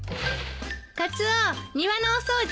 カツオ庭のお掃除